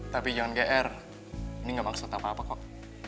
tapi jangan gr ini gak maksud apa apa kok